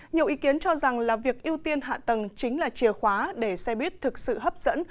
nhiều ý kiến cho rằng là việc ưu tiên hạ tầng chính là chìa khóa để xe buýt thực sự hấp dẫn